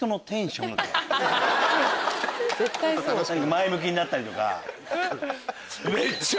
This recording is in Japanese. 前向きになったりとか。